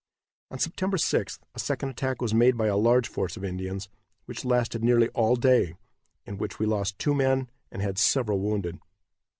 On September 6th a second attack was made by a large force of Indians, which lasted nearly all day, in which we lost two men and had several wounded.